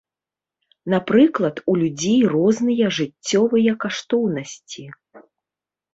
Напрыклад, у людзей розныя жыццёвыя каштоўнасці.